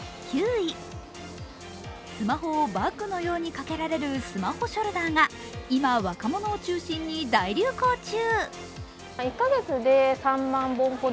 スマホをバッグのようにかけられるスマホショルダーが今、若者を中心に大流行中。